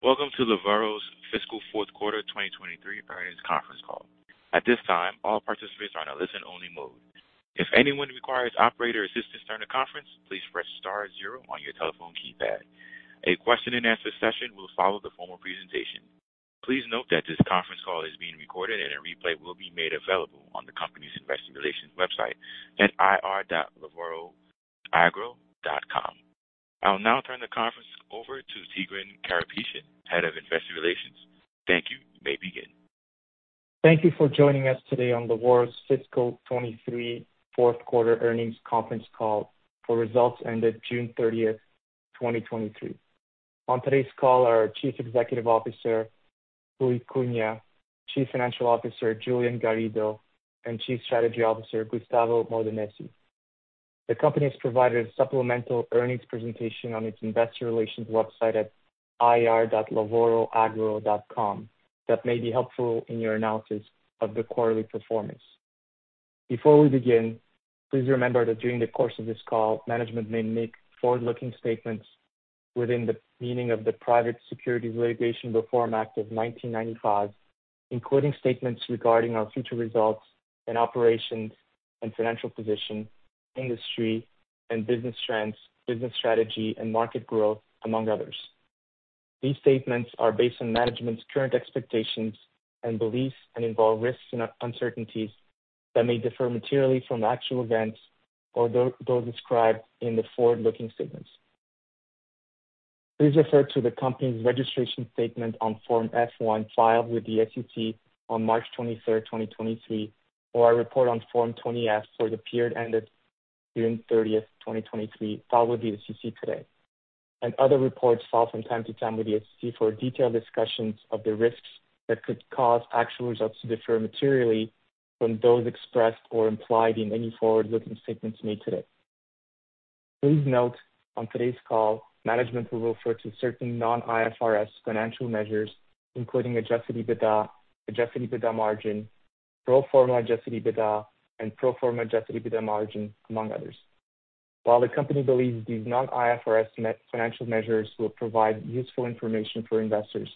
Welcome to Lavoro's Fiscal Fourth Quarter 2023 Earnings Conference Call. At this time, all participants are on a listen only mode. If anyone requires operator assistance during the conference, please press star zero on your telephone keypad. A question and answer session will follow the formal presentation. Please note that this conference call is being recorded and a replay will be made available on the company's investor relations website at ir.lavoro.com. I'll now turn the conference over to Tigran Karapetian, Head of Investor Relations. Thank you. You may begin. Thank you for joining us today on Lavoro's Fiscal 2023 Fourth Quarter Earnings Conference Call for results ended June 30, 2023. On today's call are our Chief Executive Officer, Ruy Cunha, Chief Financial Officer, Julian Garrido, and Chief Strategy Officer, Gustavo Modenesi. The company has provided a supplemental earnings presentation on its investor relations website at ir.lavoro.com that may be helpful in your analysis of the quarterly performance. Before we begin, please remember that during the course of this call, management may make forward-looking statements within the meaning of the Private Securities Litigation Reform Act of 1995, including statements regarding our future results and operations and financial position, industry and business trends, business strategy and market growth, among others. These statements are based on management's current expectations and beliefs and involve risks and uncertainties that may differ materially from actual events or those described in the forward-looking statements. Please refer to the company's registration statement on Form F-1, filed with the SEC on March 23, 2023, or our report on Form 20-F for the period ended June 30, 2023, filed with the SEC today, and other reports filed from time to time with the SEC for detailed discussions of the risks that could cause actual results to differ materially from those expressed or implied in any forward-looking statements made today. Please note, on today's call, management will refer to certain non-IFRS financial measures, including Adjusted EBITDA, Adjusted EBITDA margin, pro forma Adjusted EBITDA, and pro forma Adjusted EBITDA margin, among others. While the company believes these non-IFRS financial measures will provide useful information for investors,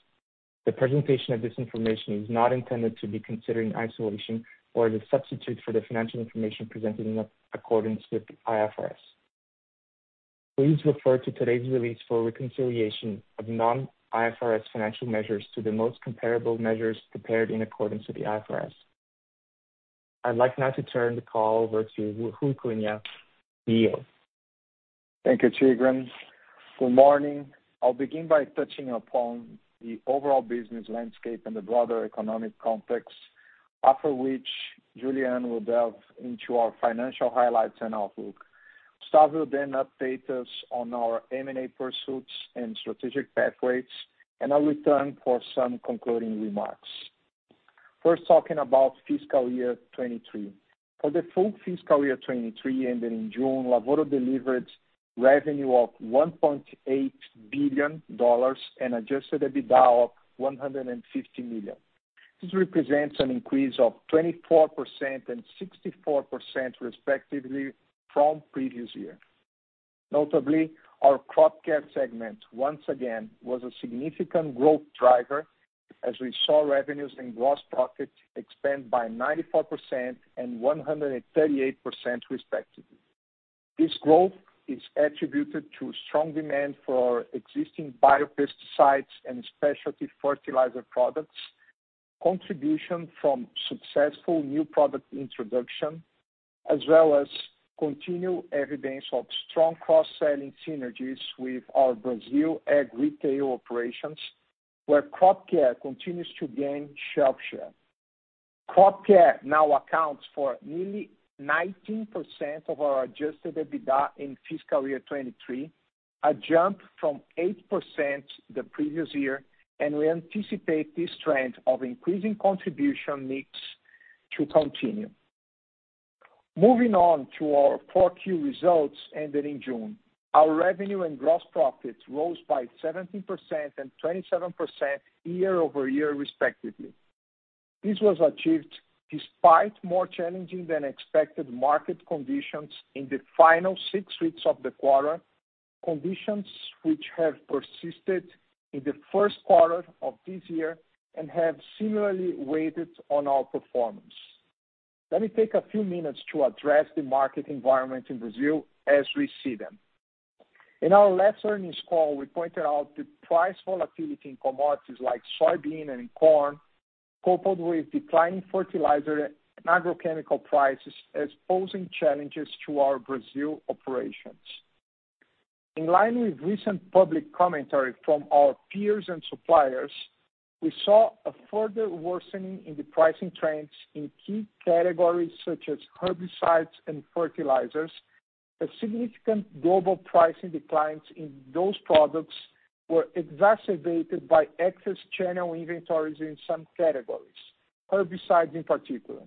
the presentation of this information is not intended to be considered in isolation or as a substitute for the financial information presented in accordance with IFRS. Please refer to today's release for a reconciliation of non-IFRS financial measures to the most comparable measures prepared in accordance with the IFRS. I'd like now to turn the call over to Ruy Cunha, CEO. Thank you, Tigran. Good morning. I'll begin by touching upon the overall business landscape and the broader economic context, after which Julian will delve into our financial highlights and outlook. Gustavo will then update us on our M&A pursuits and strategic pathways, and I'll return for some concluding remarks. First, talking about fiscal year 2023. For the full fiscal year 2023, ending in June, Lavoro delivered revenue of $1.8 billion and adjusted EBITDA of $150 million. This represents an increase of 24% and 64%, respectively, from previous year. Notably, our Crop Care segment, once again, was a significant growth driver as we saw revenues and gross profit expand by 94% and 138%, respectively. This growth is attributed to strong demand for existing biopesticides and specialty fertilizer products, contribution from successful new product introduction, as well as continued evidence of strong cross-selling synergies with our Brazil ag retail operations, where crop care continues to gain shelf share. Crop care now accounts for nearly 19% of our Adjusted EBITDA in fiscal year 2023, a jump from 8% the previous year, and we anticipate this trend of increasing contribution mix to continue. Moving on to our four key results ending in June. Our revenue and gross profit rose by 17% and 27% year-over-year, respectively. This was achieved despite more challenging than expected market conditions in the final six weeks of the quarter, conditions which have persisted in the first quarter of this year and have similarly weighed on our performance. Let me take a few minutes to address the market environment in Brazil as we see them. In our last earnings call, we pointed out the price volatility in commodities like soybean and in corn, coupled with declining fertilizer and agrochemical prices, as posing challenges to our Brazil operations. In line with recent public commentary from our peers and suppliers, we saw a further worsening in the pricing trends in key categories, such as herbicides and fertilizers. A significant global pricing declines in those products were exacerbated by excess channel inventories in some categories, herbicides in particular.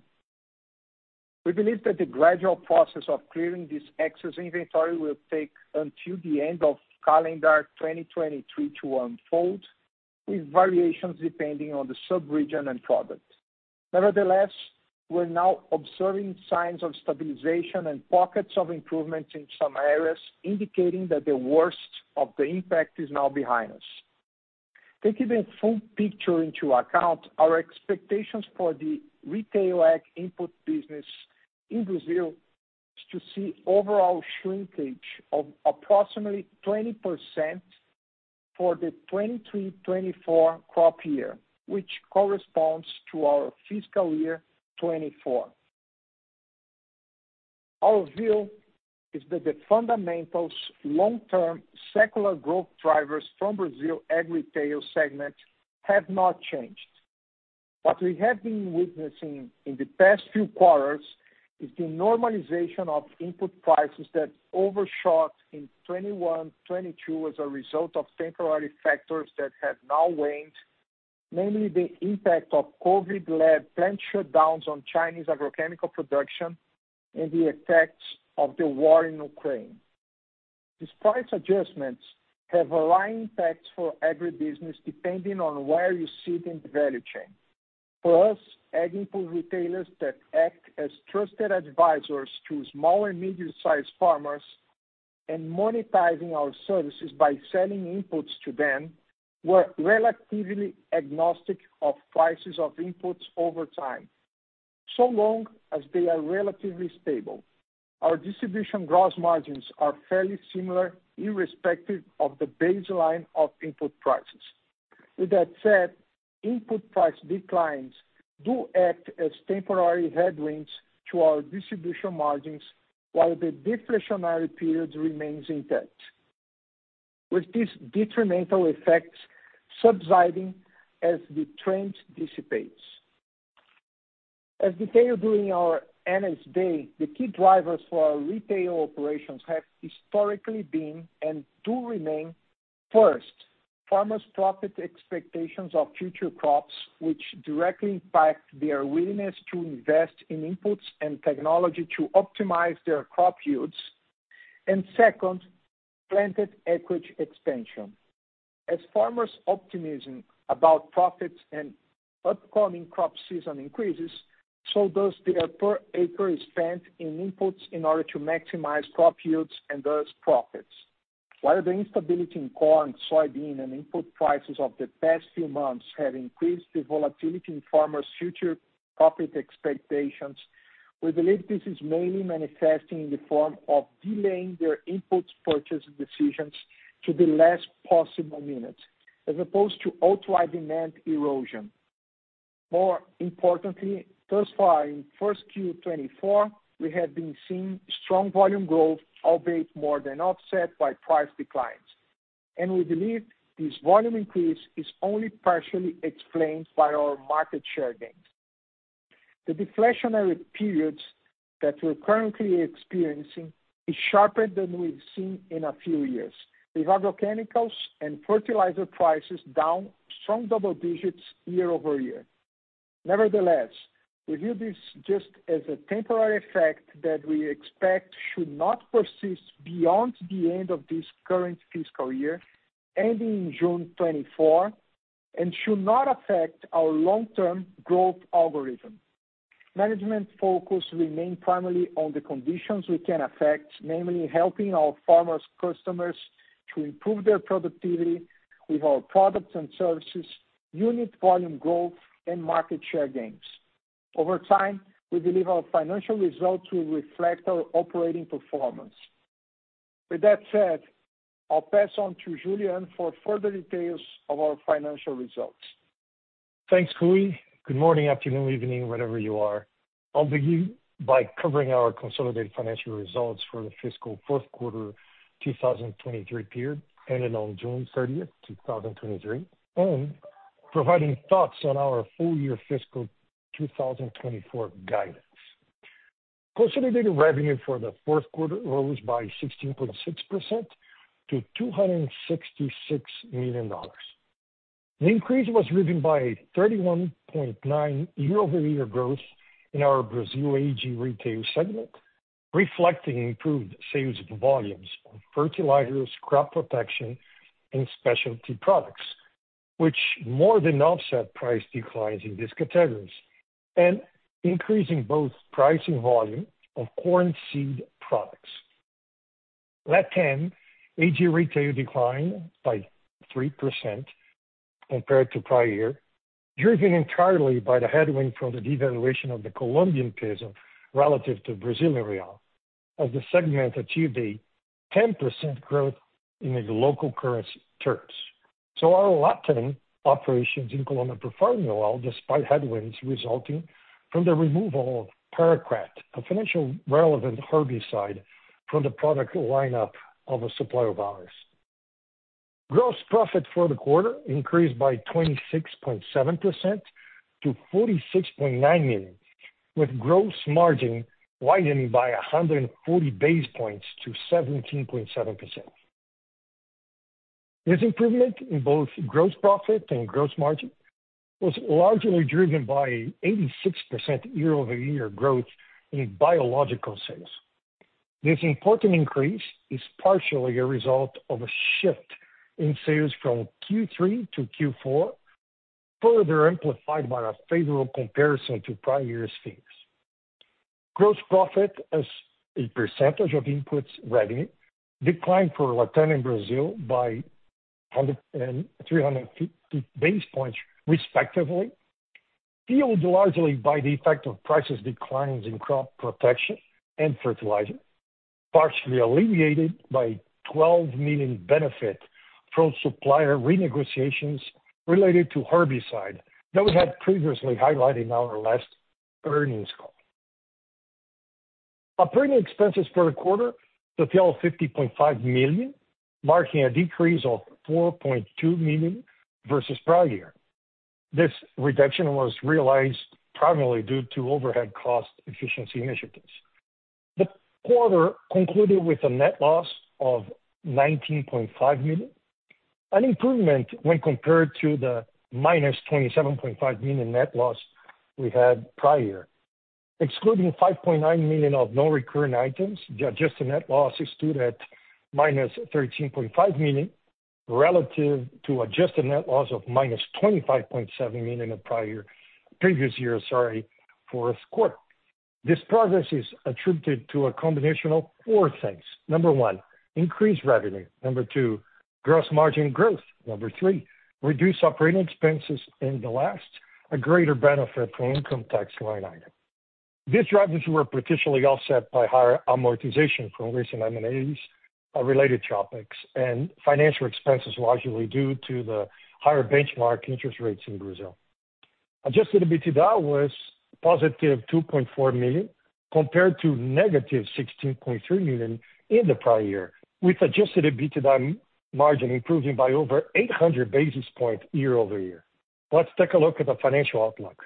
We believe that the gradual process of clearing this excess inventory will take until the end of calendar 2023 to unfold, with variations depending on the sub-region and product... Nevertheless, we're now observing signs of stabilization and pockets of improvement in some areas, indicating that the worst of the impact is now behind us. Taking the full picture into account, our expectations for the retail ag-input business in Brazil is to see overall shrinkage of approximately 20% for the 2023-2024 crop year, which corresponds to our fiscal year 2024. Our view is that the fundamentals long-term secular growth drivers from Brazil Ag Retail segment have not changed. What we have been witnessing in the past few quarters is the normalization of input prices that overshot in 2021-2022 as a result of temporary factors that have now waned, namely, the impact of COVID-led plant shutdowns on Chinese agrochemical production and the effects of the war in Ukraine. These price adjustments have varying impacts for every business, depending on where you sit in the value chain. For us, ag-input retailers that act as trusted advisors to small and medium-sized farmers, and monetizing our services by selling inputs to them, we're relatively agnostic of prices of inputs over time, so long as they are relatively stable. Our distribution gross margins are fairly similar, irrespective of the baseline of input prices. With that said, input price declines do act as temporary headwinds to our distribution margins, while the deflationary period remains intact, with these detrimental effects subsiding as the trend dissipates. As detailed during our Analyst Day, the key drivers for our retail operations have historically been, and do remain, first, farmers' profit expectations of future crops, which directly impact their willingness to invest in inputs and technology to optimize their crop yields, and second, planted acreage expansion. As farmers' optimism about profits and upcoming crop season increases, so does their per-acre spend in inputs in order to maximize crop yields and thus profits. While the instability in corn, soybean and input prices of the past few months have increased the volatility in farmers' future profit expectations, we believe this is mainly manifesting in the form of delaying their inputs purchase decisions to the last possible minute, as opposed to outright demand erosion. More importantly, thus far in first Q1 2024, we have been seeing strong volume growth, albeit more than offset by price declines. And we believe this volume increase is only partially explained by our market share gains. The deflationary periods that we're currently experiencing is sharper than we've seen in a few years, with agrochemicals and fertilizer prices down strong double digits year-over-year. Nevertheless, we view this just as a temporary effect that we expect should not persist beyond the end of this current fiscal year, ending in June 2024, and should not affect our long-term growth algorithm. Management focus remain primarily on the conditions we can affect, namely, helping our farmers customers to improve their productivity with our products and services, unit volume growth, and market share gains. Over time, we believe our financial results will reflect our operating performance. With that said, I'll pass on to Julian for further details of our financial results. Thanks, Ruy. Good morning, afternoon, evening, wherever you are. I'll begin by covering our consolidated financial results for the fiscal fourth quarter 2023 period, ending on June 30, 2023, and providing thoughts on our full year fiscal 2024 guidance. Consolidated revenue for the fourth quarter rose by 16.6% to $266 million. The increase was driven by a 31.9 year-over-year growth in our Brazil Ag Retail segment, reflecting improved sales volumes of fertilizers, crop protection and specialty products, which more than offset price declines in these categories, and increasing both price and volume of corn seed products. LatAm Ag Retail declined by 3% compared to prior year, driven entirely by the headwind from the devaluation of the Colombian peso relative to Brazilian real, as the segment achieved a 10% growth in the local-currency terms. So our LatAm operations in Colombia performed well, despite headwinds resulting from the removal of paraquat, a financially relevant herbicide, from the product lineup of a supplier of ours. Gross profit for the quarter increased by 26.7% to $46.9 million, with gross margin widening by 140 basis points to 17.7%. This improvement in both gross profit and gross margin was largely driven by 86% year-over-year growth in biological sales.... This important increase is partially a result of a shift in sales from Q3 to Q4, further amplified by a favorable comparison to prior year's figures. Gross profit as a percentage of inputs revenue declined for LatAm and Brazil by 100 and 300 basis points, respectively, fueled largely by the effect of price declines in crop protection and fertilizer, partially alleviated by $12 million benefit from supplier renegotiations related to herbicide, that we had previously highlighted in our last earnings call. Operating expenses for the quarter to $50.5 million, marking a decrease of $4.2 million versus prior year. This reduction was realized primarily due to overhead cost efficiency initiatives. The quarter concluded with a net loss of $19.5 million, an improvement when compared to the -$27.5 million net loss we had prior year. Excluding $5.9 million of non-recurring items, the adjusted net loss stood at -$13.5 million, relative to adjusted net loss of -$25.7 million in prior year—previous year, sorry, fourth quarter. This progress is attributed to a combination of four things. Number one, increased revenue. Number two, gross margin growth. Number three, reduced operating expenses, and the last, a greater benefit from income tax line item. These drivers were partially offset by higher amortization from recent M&As, related topics and financial expenses, largely due to the higher benchmark interest rates in Brazil. Adjusted EBITDA was positive $2.4 million, compared to negative $16.3 million in the prior year, with adjusted EBITDA margin improving by over 800 basis points year-over-year. Let's take a look at the financial outlook.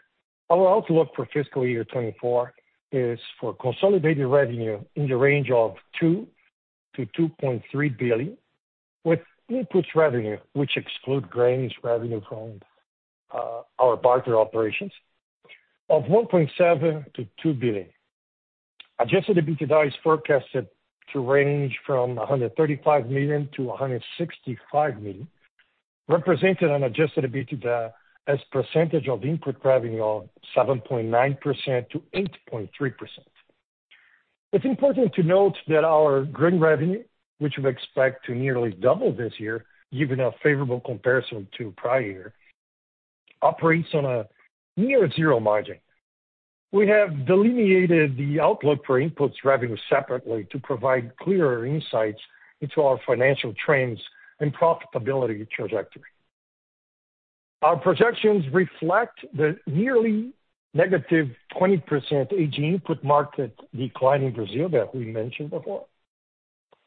Our outlook for fiscal year 2024 is for consolidated revenue in the range of $2-$2.3 billion, with inputs revenue, which exclude grains revenue from our barter operations, of $1.7 billion-$2 billion. Adjusted EBITDA is forecasted to range from $135 million-$165 million, representing adjusted EBITDA as percentage of input revenue of 7.9%-8.3%. It's important to note that our grain revenue, which we expect to nearly double this year, given a favorable comparison to prior year, operates on a near-zero margin. We have delineated the outlook for inputs revenue separately to provide clearer insights into our financial trends and profitability trajectory. Our projections reflect the nearly -20% ag-input market decline in Brazil that we mentioned before.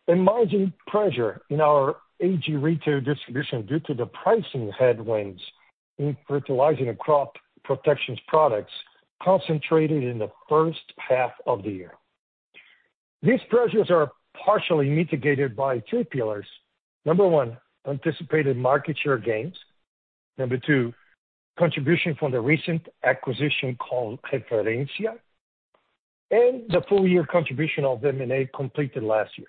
Margin pressure in our ag retail distribution due to the pricing headwinds in fertilizers and crop protection products concentrated in the first half of the year. These pressures are partially mitigated by two pillars. Number 1, anticipated market share gains. Number 2, contribution from the recent acquisition called Referência, and the full year contribution of M&A completed last year.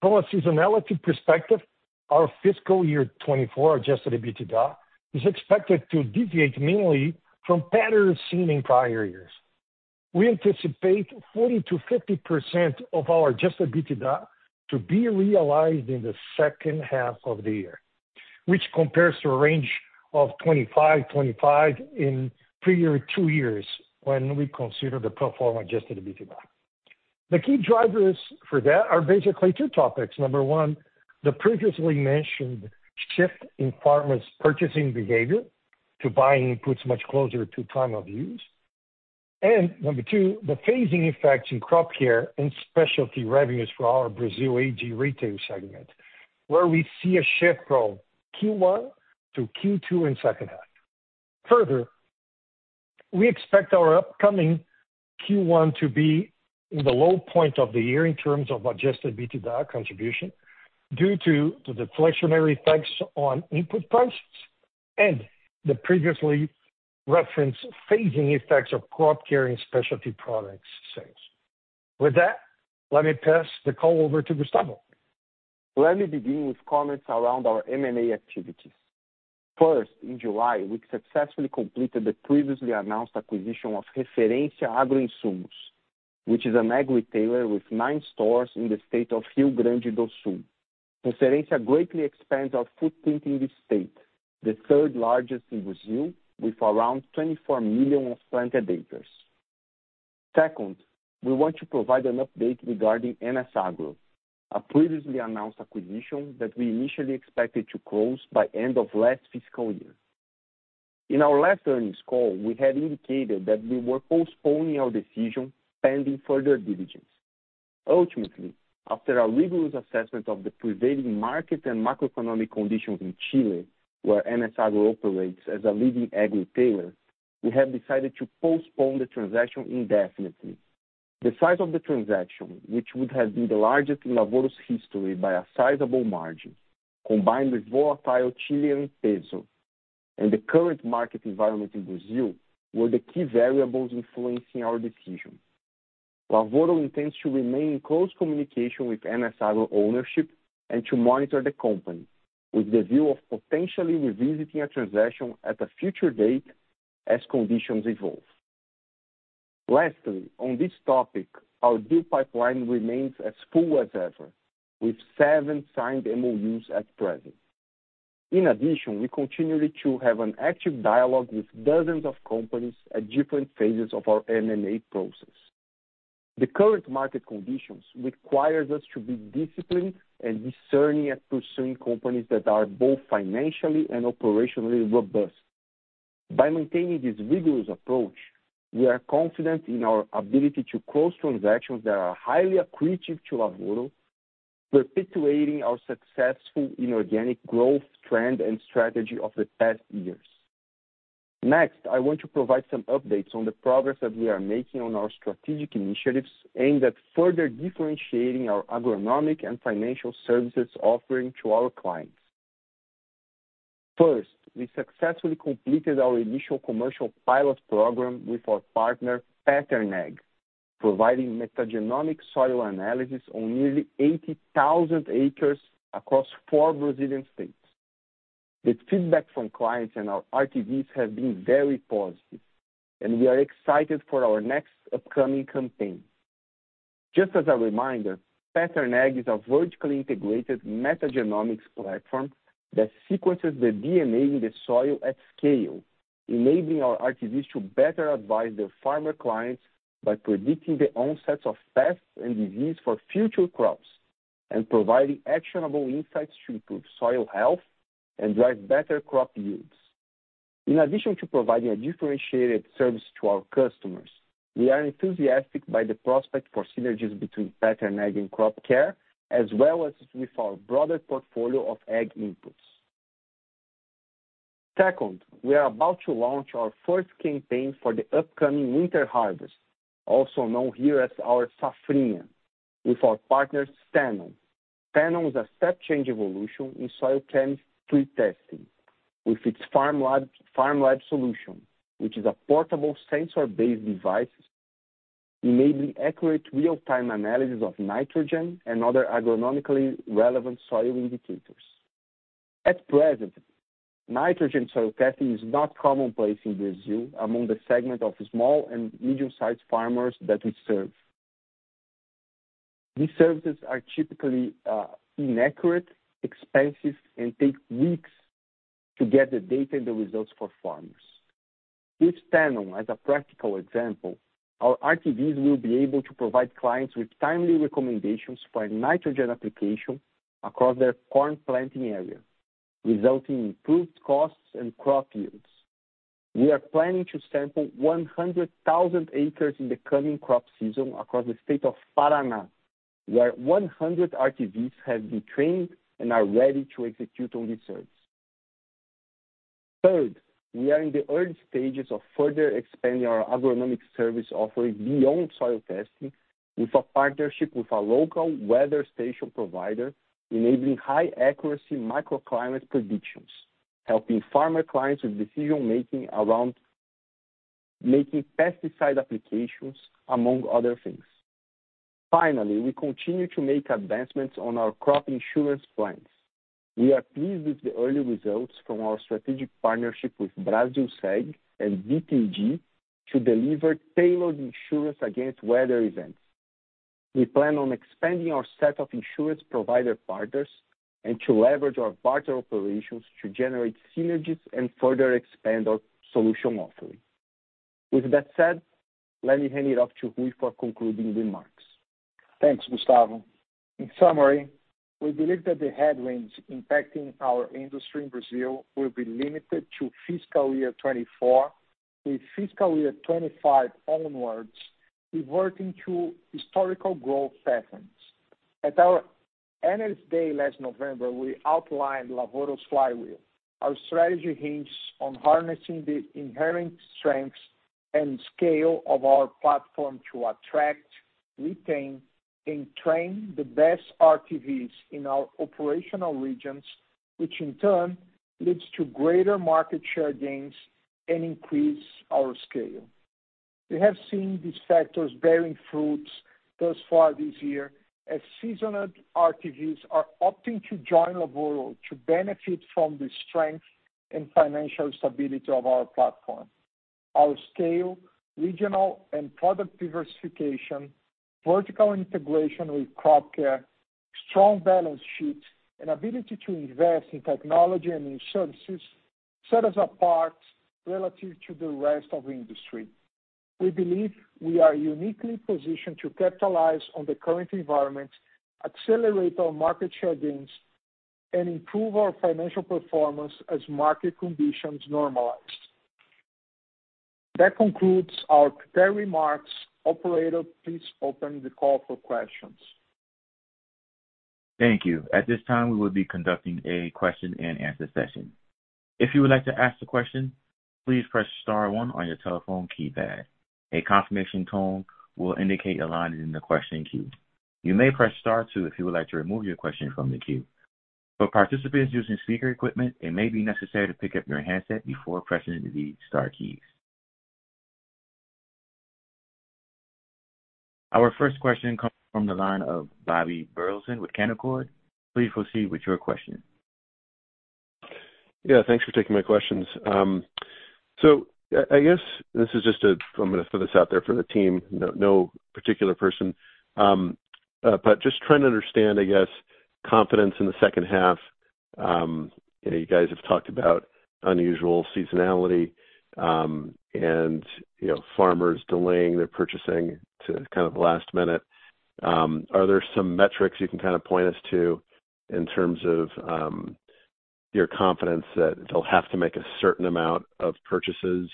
From a seasonality perspective, our fiscal year 2024 Adjusted EBITDA is expected to deviate mainly from patterns seen in prior years. We anticipate 40%-50% of our Adjusted EBITDA to be realized in the second half of the year, which compares to a range of 25%-25% in prior two years when we consider the pro forma Adjusted EBITDA. The key drivers for that are basically two topics. Number 1, the previously mentioned shift in farmers' purchasing behavior to buying inputs much closer to time of use. Number two, the phasing effects in crop care and specialty revenues for our Brazil Ag Retail segment, where we see a shift from Q1 to Q2 in second half. Further, we expect our upcoming Q1 to be the low point of the year in terms of Adjusted EBITDA contribution, due to the deflationary effects on input prices and the previously referenced phasing effects of crop care and specialty products sales. With that, let me pass the call over to Gustavo. Let me begin with comments around our M&A activities. First, in July, we successfully completed the previously announced acquisition of Referência Agroinsumos, which is an agri-retailer with nine stores in the state of Rio Grande do Sul. Referência greatly expands our footprint in this state, the third largest in Brazil, with around 24 million of planted acres. Second, we want to provide an update regarding NS Agro, a previously announced acquisition that we initially expected to close by end of last fiscal year. In our last earnings call, we had indicated that we were postponing our decision, pending further diligence. Ultimately, after a rigorous assessment of the prevailing market and macroeconomic conditions in Chile, where NS Agro operates as a leading agri-retailer, we have decided to postpone the transaction indefinitely. The size of the transaction, which would have been the largest in Lavoro's history by a sizable margin, combined with volatile Chilean peso and the current market environment in Brazil were the key variables influencing our decision. Lavoro intends to remain in close communication with NS Agro ownership and to monitor the company, with the view of potentially revisiting a transaction at a future date as conditions evolve. Lastly, on this topic, our deal pipeline remains as full as ever, with seven signed MOUs at present. In addition, we continue to have an active dialogue with dozens of companies at different phases of our M&A process. The current market conditions requires us to be disciplined and discerning at pursuing companies that are both financially and operationally robust. By maintaining this rigorous approach, we are confident in our ability to close transactions that are highly accretive to Lavoro, perpetuating our successful inorganic growth trend and strategy of the past years. Next, I want to provide some updates on the progress that we are making on our strategic initiatives, aimed at further differentiating our agronomic and financial services offering to our clients. First, we successfully completed our initial commercial pilot program with our partner, Pattern Ag, providing metagenomic soil analysis on nearly 80,000 acres across four Brazilian states. The feedback from clients and our RTVs have been very positive, and we are excited for our next upcoming campaign. Just as a reminder, Pattern Ag is a vertically integrated metagenomics platform that sequences the DNA in the soil at scale, enabling our RTVs to better advise their farmer clients by predicting the onset of pests and disease for future crops, and providing actionable insights to improve soil health and drive better crop yields. In addition to providing a differentiated service to our customers, we are enthusiastic by the prospect for synergies between Pattern Ag and Crop Care, as well as with our broader portfolio of ag inputs. Second, we are about to launch our first campaign for the upcoming winter harvest, also known here as our Safrinha, with our partner, Stenon. Stenon is a step change evolution in soil chemistry testing. With its FarmLab solution, which is a portable sensor-based device, enabling accurate real-time analysis of nitrogen and other agronomically relevant soil indicators. At present, nitrogen soil testing is not commonplace in Brazil among the segment of small and medium-sized farmers that we serve. These services are typically inaccurate, expensive, and take weeks to get the data and the results for farmers. With Stenon, as a practical example, our RTVs will be able to provide clients with timely recommendations for nitrogen application across their corn planting area, resulting in improved costs and crop yields. We are planning to sample 100,000 acres in the coming crop season across the state of Paraná, where 100 RTVs have been trained and are ready to execute on these services. Third, we are in the early stages of further expanding our agronomic service offering beyond soil testing, with a partnership with a local weather station provider, enabling high-accuracy microclimate predictions, helping farmer clients with decision-making around making pesticide applications, among other things. Finally, we continue to make advancements on our crop insurance plans. We are pleased with the early results from our strategic partnership with Brasilseg and BTG to deliver tailored insurance against weather events. We plan on expanding our set of insurance provider partners and to leverage our partner operations to generate synergies and further expand our solution offering. With that said, let me hand it off to Ruy for concluding remarks. Thanks, Gustavo. In summary, we believe that the headwinds impacting our industry in Brazil will be limited to fiscal year 2024, with fiscal year 2025 onwards reverting to historical growth patterns. At our analyst day last November, we outlined Lavoro's flywheel. Our strategy hinges on harnessing the inherent strengths and scale of our platform to attract, retain, and train the best RTVs in our operational regions, which in turn leads to greater market share gains and increase our scale. We have seen these factors bearing fruits thus far this year, as seasoned RTVs are opting to join Lavoro to benefit from the strength and financial stability of our platform. Our scale, regional and product diversification, vertical integration with Crop Care, strong balance sheet, and ability to invest in technology and new services, set us apart relative to the rest of the industry. We believe we are uniquely positioned to capitalize on the current environment, accelerate our market share gains, and improve our financial performance as market conditions normalize. That concludes our prepared remarks. Operator, please open the call for questions. Thank you. At this time, we will be conducting a question-and-answer session. If you would like to ask a question, please press star one on your telephone keypad. A confirmation tone will indicate a line in the question queue. You may press star two if you would like to remove your question from the queue. For participants using speaker equipment, it may be necessary to pick up your handset before pressing the star keys. Our first question comes from the line of Bobby Burleson with Canaccord. Please proceed with your question. Yeah, thanks for taking my questions. So I guess this is just a, I'm gonna throw this out there for the team, no particular person, but just trying to understand, I guess, confidence in the second half. You know, you guys have talked about unusual seasonality, and, you know, farmers delaying their purchasing to kind of last minute. Are there some metrics you can kind of point us to in terms of, your confidence that they'll have to make a certain amount of purchases,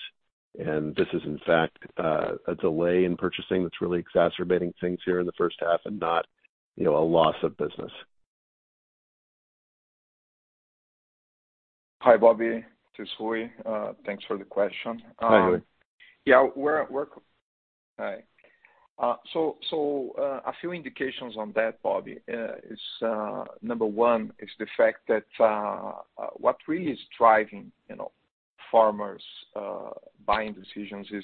and this is in fact, a delay in purchasing that's really exacerbating things here in the first half and not, you know, a loss of business? Hi, Bobby, this is Ruy. Thanks for the question. Hi, Ruy. Hi. So, a few indications on that, Bobby, is number one, is the fact that what really is driving, you know, farmers buying decisions is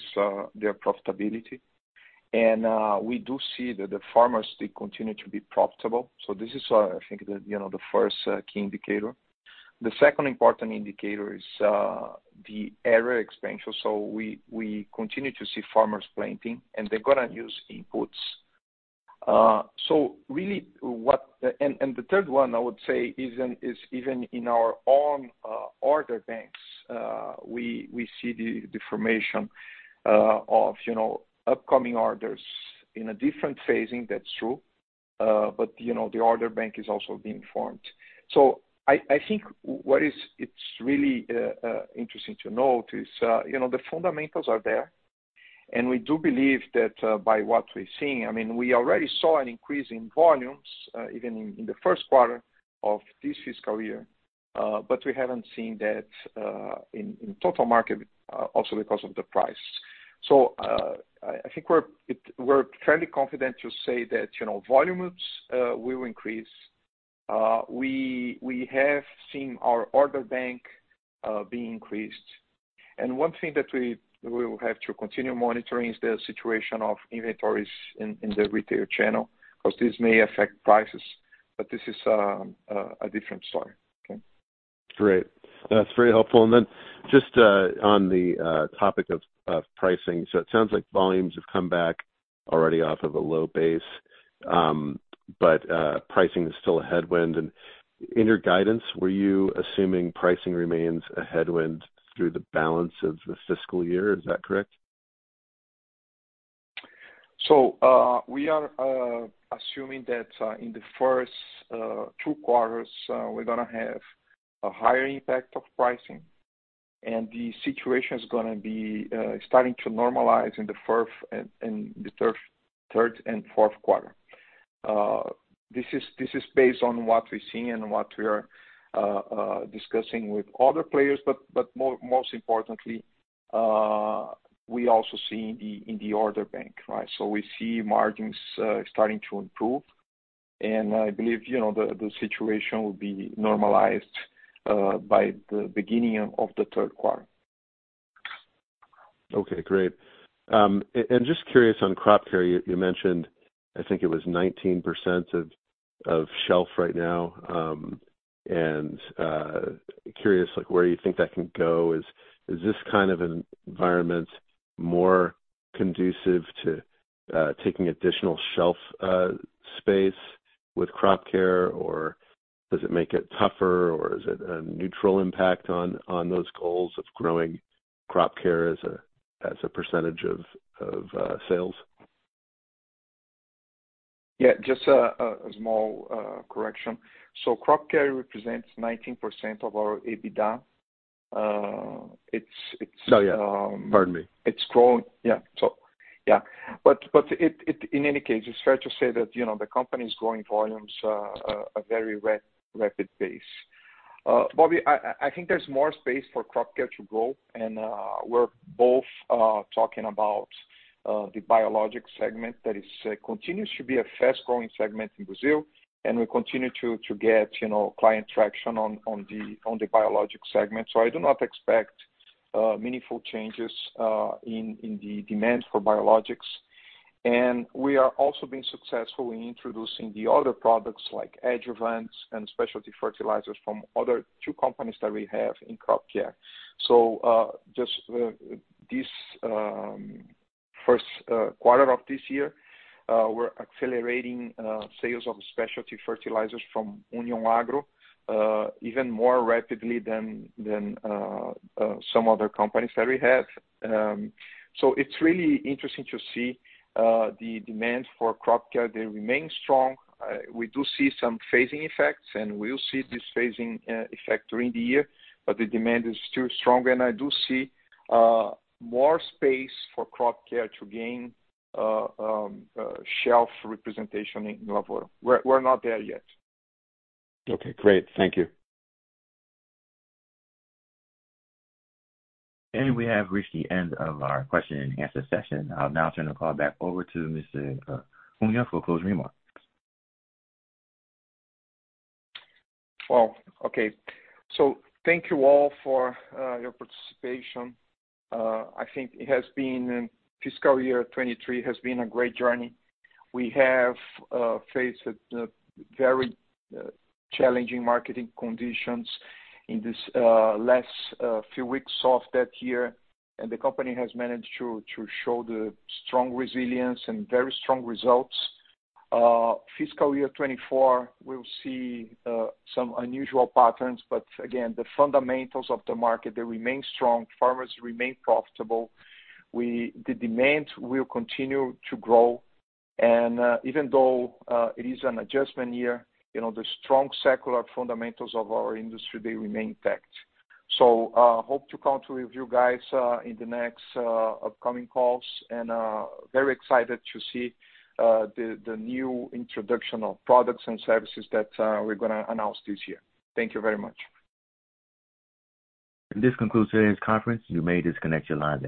their profitability. And we do see that the farmers, they continue to be profitable. So this is, I think, you know, the first key indicator. The second important indicator is the area expansion. So we continue to see farmers planting, and they're gonna use inputs. So really, what... And the third one, I would say, even, is even in our own order banks, we see the formation of, you know, upcoming orders in a different phasing, that's true, but, you know, the order bank is also being formed. So I think what it is, it's really interesting to note is, you know, the fundamentals are there, and we do believe that, by what we're seeing, I mean, we already saw an increase in volumes, even in the first quarter of this fiscal year, but we haven't seen that in total market, also because of the price. So, I think we're, it, we're fairly confident to say that, you know, volumes will increase. We have seen our order bank being increased. And one thing that we will have to continue monitoring is the situation of inventories in the retail channel, because this may affect prices, but this is a different story. Okay? Great. That's very helpful. And then just on the topic of pricing, so it sounds like volumes have come back already off of a low base, but pricing is still a headwind. And in your guidance, were you assuming pricing remains a headwind through the balance of this fiscal year? Is that correct? So, we are assuming that in the first two quarters, we're gonna have a higher impact of pricing, and the situation is gonna be starting to normalize in the third and fourth quarter. This is based on what we're seeing and what we are discussing with other players, but most importantly, we also see in the order bank, right? So we see margins starting to improve, and I believe, you know, the situation will be normalized by the beginning of the third quarter. Okay, great. And just curious on crop care, you mentioned, I think it was 19% of shelf right now. And curious, like, where you think that can go. Is this kind of an environment more conducive to taking additional shelf space with crop care, or does it make it tougher, or is it a neutral impact on those goals of growing crop care as a percentage of sales? Yeah, just a small correction. So Crop Care represents 19% of our EBITDA. It's Oh, yeah. Pardon me. It's growing. Yeah, so, yeah. But it, in any case, it's fair to say that, you know, the company's growing volumes a very rapid pace. Bobby, I think there's more space for crop care to grow, and we're both talking about the Biologic segment. That is, continues to be a fast-growing segment in Brazil, and we continue to get, you know, client traction on the Biologic segment. So I do not expect meaningful changes in the demand for biologics. And we are also being successful in introducing the other products like adjuvants and specialty fertilizers from other two companies that we have in crop care. So, just this first quarter of this year, we're accelerating sales of specialty fertilizers from UnionAgro even more rapidly than some other companies that we have. So it's really interesting to see the demand for crop care; they remain strong. We do see some phasing effects, and we'll see this phasing effect during the year, but the demand is still strong. And I do see more space for crop care to gain shelf representation in Lavoro. We're not there yet. Okay, great. Thank you. We have reached the end of our question and answer session. I'll now turn the call back over to Mr. Ruy for closing remarks. Well, okay. So thank you all for your participation. I think it has been, fiscal year 2023 has been a great journey. We have faced a very challenging marketing conditions in this last few weeks of that year, and the company has managed to show the strong resilience and very strong results. Fiscal year 2024, we'll see some unusual patterns, but again, the fundamentals of the market, they remain strong, farmers remain profitable. The demand will continue to grow, and even though it is an adjustment year, you know, the strong secular fundamentals of our industry, they remain intact. So, hope to count with you guys in the next upcoming calls, and very excited to see the new introduction of products and services that we're gonna announce this year. Thank you very much. This concludes today's conference. You may disconnect your line now.